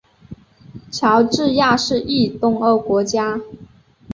乔治亚是一东欧国家。